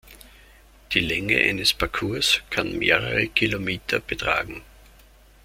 Die Länge eines Parcours kann mehrere Kilometer betragen.